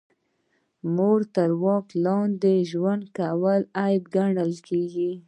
د مور تر واک لاندې ژوند کول عیب ګڼل کیږي